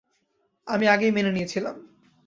আমি আগেই মেনে নিয়েছিলাম।